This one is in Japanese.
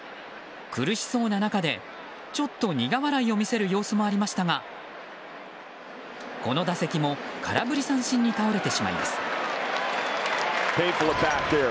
苦しそう中で、ちょっと苦笑いを見せる様子もありましたがこの打席も空振り三振に倒れてしまいます。